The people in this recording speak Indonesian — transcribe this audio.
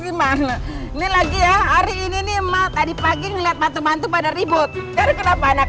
gimana ini lagi ya hari ini nih emang tadi pagi ngeliat bantu bantu pada ribut dari kenapa anak